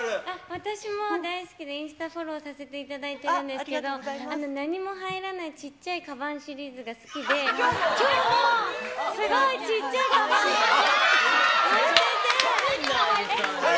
私も大好きで、インスタフォローさせていただいてるんですけど、何も入らないちっちゃいかばんシリーズが好きで、きょうも、すごいちっちゃいかばんを持っていて。